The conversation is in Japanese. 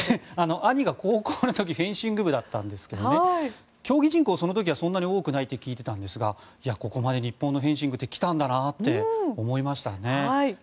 兄が高校の時フェンシング部だったんですが競技人口その時はそんなに多くないって聞いていたんですがここまで日本のフェンシングって来たんだなって思いましたね。